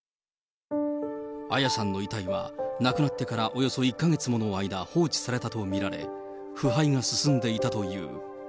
彩さんの遺体は亡くなってからおよそ１か月もの間放置されたと見られ、腐敗が進んでいたという。